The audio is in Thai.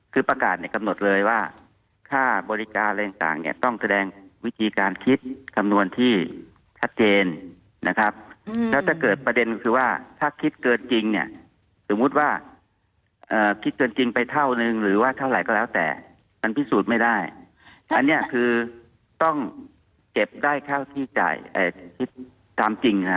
คือประกาศเนี่ยกำหนดเลยว่าค่าบริการอะไรต่างเนี่ยต้องแสดงวิธีการคิดคำนวณที่ชัดเจนนะครับแล้วถ้าเกิดประเด็นคือว่าถ้าคิดเกินจริงเนี่ยสมมุติว่าคิดเกินจริงไปเท่านึงหรือว่าเท่าไหร่ก็แล้วแต่มันพิสูจน์ไม่ได้อันนี้คือต้องเก็บได้เท่าที่จ่ายคิดตามจริงฮะ